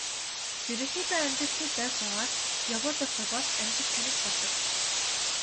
Ерөнхийдөө амжилтыг барьж аваад явуулахгүй бол амжилт таных болдог.